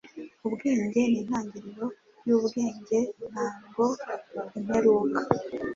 Ubwenge nintangiriro yubwenge, ntabwo imperuka.